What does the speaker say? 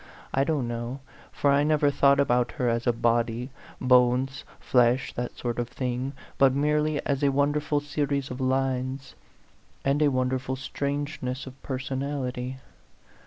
I don't know, for I never thought about her as a body bones, flesh, that sort of thing but merely as a wonderful series of lines, and a wonderful strangeness of personality.